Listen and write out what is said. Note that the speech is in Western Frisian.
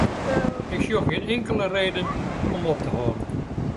Ik sjoch gjin inkelde reden om op te hâlden.